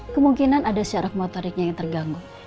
kemungkinan ada syaraf motoriknya yang terganggu